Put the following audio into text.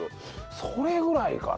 それぐらいかな？